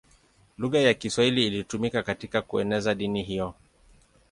Lugha ya Kiswahili ilitumika katika kueneza dini hiyo.